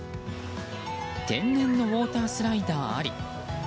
天然のウォータースライダーあり。